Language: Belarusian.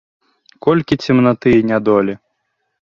Колькі цемнаты і нядолі!